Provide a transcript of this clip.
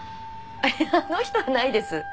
あの人はないです。